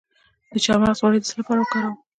د چارمغز غوړي د څه لپاره وکاروم؟